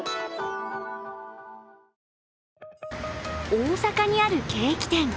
大阪にあるケーキ店。